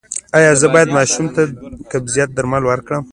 ایا زه باید ماشوم ته د قبضیت درمل ورکړم؟